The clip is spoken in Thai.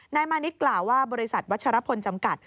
มานิดกล่าวว่าบริษัทวัชรพลจำกัด